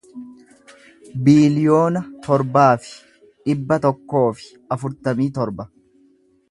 biiliyoona torbaa fi dhibba tokkoo fi afurtamii torba